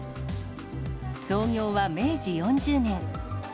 創業は明治４０年。